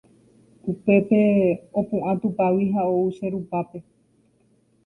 Upépe opu'ã tupágui ha ou che rupápe